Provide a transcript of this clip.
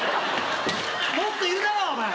もっといるだろお前。